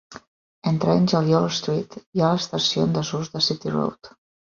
Entre Angel i Old Street hi ha l'estació en desús de City Road.